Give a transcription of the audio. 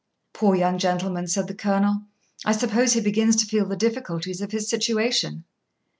'Poor young gentleman,' said the Colonel, 'I suppose he begins to feel the difficulties of his situation.